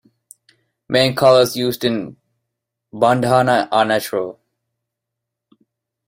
The main colours used in Bandhana are natural.